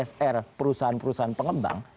dari csi perusahaan perusahaan pengembang